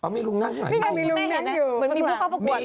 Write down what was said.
เหมือนมีพวกเข้าประกวด